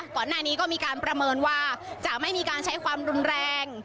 ก่อนหน้านี้ก็มีการประเมินว่าจะไม่มีการใช้ความรุนแรง